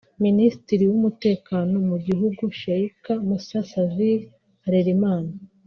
Minisitiri w’umutekano mu gihugu Sheikh Musa Fazil Harelimana